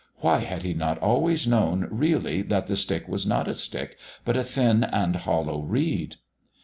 Why had he not always known really that the stick was not a stick, but a thin and hollow reed...?